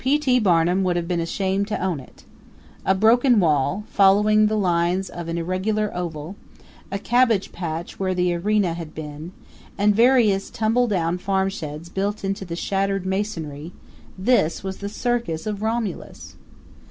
P. T. Barnum would have been ashamed to own it. A broken wall, following the lines of an irregular oval; a cabbage patch where the arena had been; and various tumble down farmsheds built into the shattered masonry this was the Circus of Romulus.